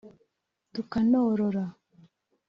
tukanorora